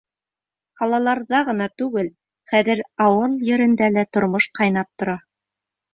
Ҡалаларҙа ғына түгел, хәҙер ауыл ерендә лә тормош ҡайнап тора.